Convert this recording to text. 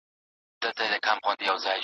په مابينځ کي يوه لويه ونه ده.